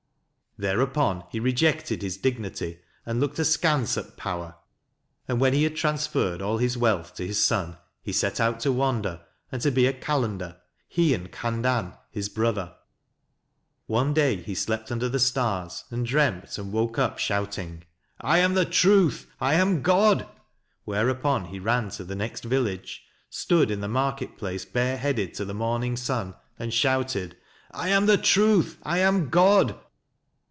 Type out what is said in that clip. Thereupon he rejected his dignity and looked askance at power; and when he had transferred all his wealth to his son, he set out to wander and to be a Calender, he and Khandan his brother. One day he slept under the stars, and dreamt, and woke up shouting: " I am the Truth, I am God! " Whereupon he ran to the next village, stood in the market place bareheaded to the morning sun, and shouted :" I am the Truth, I am God."